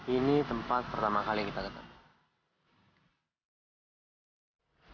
ini tempat pertama kali kita ketemu